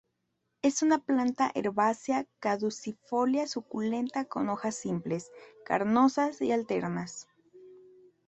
Es una planta herbácea caducifolia suculenta con hojas simples, carnosas y alternas.